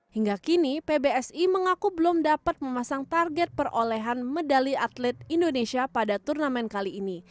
hingga kini pbsi mengaku belum dapat memasang target perolehan medali atlet indonesia pada turnamen kali ini